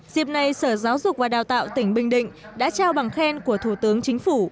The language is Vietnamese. dịp này sở giáo dục và đào tạo tỉnh bình định đã trao bằng khen của thủ tướng chính phủ